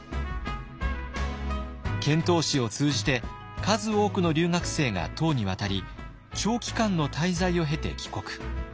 遣唐使を通じて数多くの留学生が唐に渡り長期間の滞在を経て帰国。